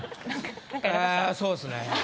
「ああそうですね」。